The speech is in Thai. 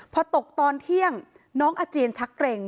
พอตกตอนเที่ยงน้องอาเจียนชักเกร็ง